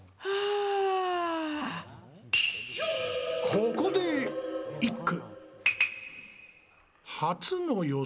ここで一句。